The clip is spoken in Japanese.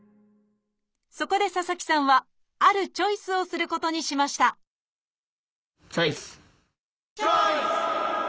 そこで佐々木さんはあるチョイスをすることにしましたチョイス！